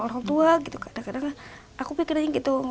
karena tidak merupakan bagianuit yang mampu membuesme